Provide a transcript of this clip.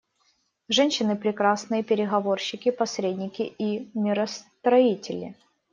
Женщины — прекрасные переговорщики, посредники и миростроители.